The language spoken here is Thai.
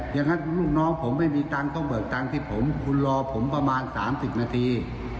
อย่างนั้นลูกน้องผมไม่มีตังค์ต้องเบิกตังค์ที่ผมคุณรอผมประมาณ๓๐นาที